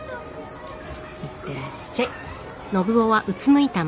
いってらっしゃい。